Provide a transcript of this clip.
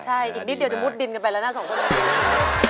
ใช่อีกนิดเดียวจะมุดดินกันไปแล้วนะสองคนนี้